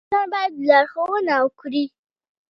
مشران باید لارښوونه وکړي